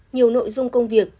nhiều nội dung công việc